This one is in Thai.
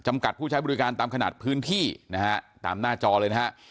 กัดผู้ใช้บริการตามขนาดพื้นที่นะฮะตามหน้าจอเลยนะฮะ